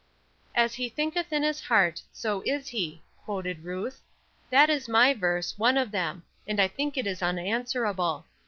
"'As he thinketh in his heart, so is he,'" quoted Ruth. "That is my verse, one of them; and I think it is unanswerable.